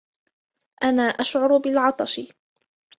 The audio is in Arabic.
أنا أشعر بالعطش.